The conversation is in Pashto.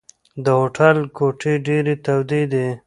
د هوټل کوټې ډېرې تودې دي.